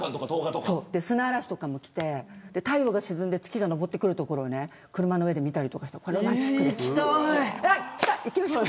砂嵐とかもきて太陽が沈んで月が昇ってくるところを車の上で見たりとかこれロマンチックですよ。